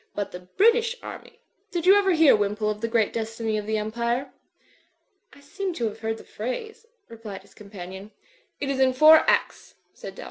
But the British army —. Did you ever hear, Wimpole, of the great destiny of the Empire?" "I seem to have heard the phrase/' replied his com panion. "It is in four acts," said Dalroy.